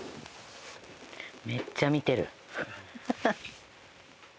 めっちゃ見てる。